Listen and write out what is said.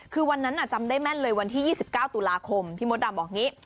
คือวันนั้นจำได้แม่นเลยวันที่๒๙ตุลาคมพี่มดดำบอกอย่างนี้